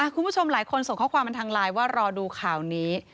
คุณผู้ชมหลายคนส่งข้อความมาทางไลน์ว่ารอดูข่าวนี้